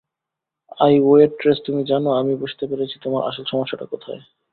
অ্যাই waitress, তুমি জানো, আমি বুঝতে পেরেছি, তোমার আসল সমস্যাটা কোথায়।